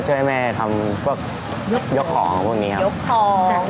เชิญมาคุยด้วยได้ไหมน้องเบนได้เลยสัก